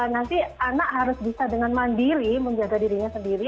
nanti anak harus bisa dengan mandiri menjaga dirinya sendiri